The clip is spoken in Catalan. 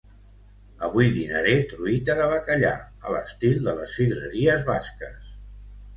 avui dinaré truita de bacallà a l'estil de les sidreries basques